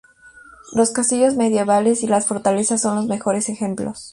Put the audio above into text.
Los castillos medievales y las fortalezas son los mejores ejemplos.